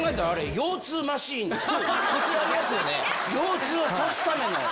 腰痛さすための。